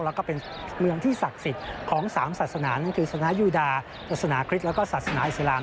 แล้วก็เป็นเมืองที่ศักดิ์สิทธิ์ของสามศาสนานั่นคือสนายุดาสนาคริสแล้วก็ศาสนาอิสลาม